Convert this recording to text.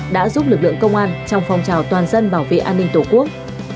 đã giúp lực lượng công an trong phong trào toàn dân bảo vệ an ninh tổ quốc